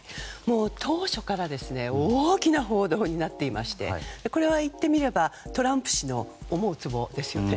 当初から大きな報道になっていましてこれは言ってみればトランプ氏の思うつぼですよね。